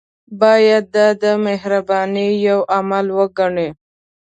باید دا د مهربانۍ یو عمل وګڼي.